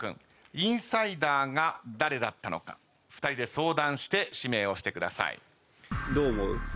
インサイダーが誰だったのか２人で相談して指名をしてください。